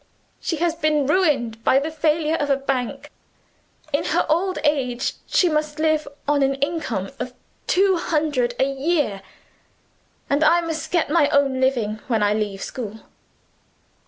She has been ruined by the failure of a bank. In her old age, she must live on an income of two hundred a year and I must get my own living when I leave school."